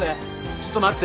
ちょっと待って。